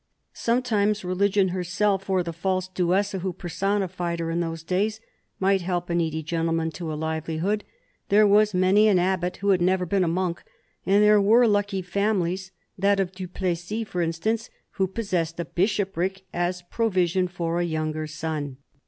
Sometimes Religion herself, or the false Duessa who personified her in those days, might help a needy gentleman to a liveli hood. There was many an abbot who had never been a monk; and there were lucky families— that of Du Plessis, for instance— who possessed a bishopric as provision for a younger son.